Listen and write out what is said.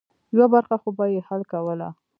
یوه برخه خو به یې حل کوله.